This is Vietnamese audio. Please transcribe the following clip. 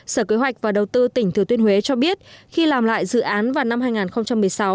sở kế hoạch và đầu tư tỉnh thừa tuyên huế cho biết khi làm lại dự án vào năm hai nghìn một mươi sáu